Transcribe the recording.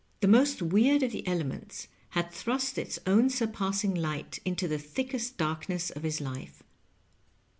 Tbe most weird of tbe elements bad tbrost its own surpassing ligbt into tbe thickest dark ness of bis life.